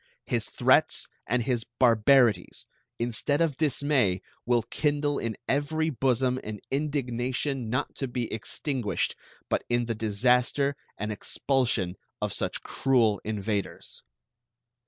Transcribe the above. His threats and his barbarities, instead of dismay, will kindle in every bosom an indignation not to be extinguished but in the disaster and expulsion of such cruel invaders.